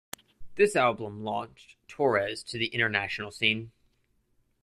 This album launched Torres to the international scene.